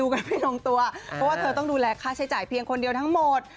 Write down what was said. กันไม่ลงตัวเพราะว่าเธอต้องดูแลค่าใช้จ่ายเพียงคนเดียวทั้งหมด